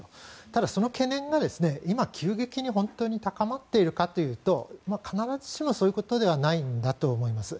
ただ、その懸念が今、急激に本当に高まっているかというと必ずしもそういうことではないんだと思います。